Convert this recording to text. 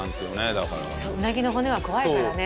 だからそううなぎの骨は怖いからね